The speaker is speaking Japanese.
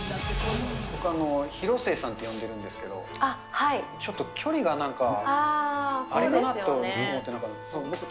僕、広末さんって呼んでるんですけど、ちょっと距離がなんかあれかなと思って。